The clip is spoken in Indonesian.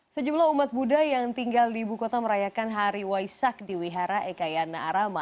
sejumlah umat buddha yang tinggal di ibu kota merayakan hari waisak di wihara ekayana arama